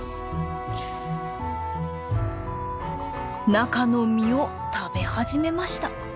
中の実を食べ始めました。